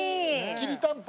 きりたんぽ。